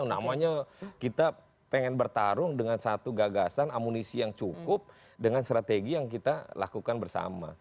namanya kita pengen bertarung dengan satu gagasan amunisi yang cukup dengan strategi yang kita lakukan bersama